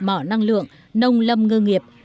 mở năng lượng nông lâm ngơ nghiệp